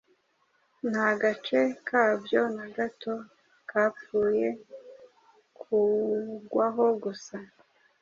Nta gace ka byo na gato kapfuye kungwaho gusa